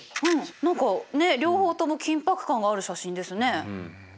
何かねっ両方とも緊迫感がある写真ですね。